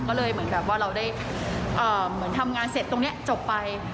ก็เลยเหมือนกับว่าเราได้เหมือนทำงานเสร็จตรงนี้จบไป